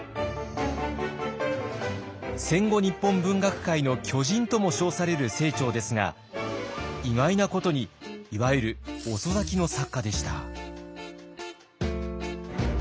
戦後日本文学界の巨人とも称される清張ですが意外なことにいわゆる遅咲きの作家でした。